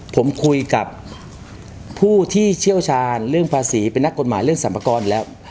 ผมคุยกับผู้ที่เชี่ยวชาญเรื่องภาษีเป็นนักกฎหมายเรื่องสรรพากรแล้ว